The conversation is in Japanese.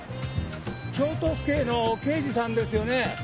京都府警の刑事さんですよね？